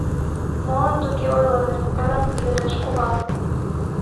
— Молан туге ойлет? — ӧрын йодеш кува.